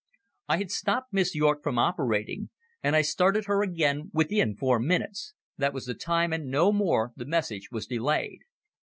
"I had stopped Miss Yorke from operating. And I started her again within four minutes. That was the time, and no more, the message was delayed.